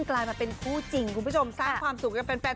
กลายมาเป็นคู่จริงคุณผู้ชมสร้างความสุขกับแฟน